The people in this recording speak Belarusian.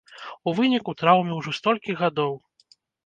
У выніку траўме ўжо столькі гадоў!